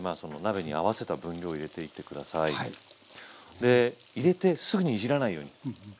で入れてすぐにいじらないように。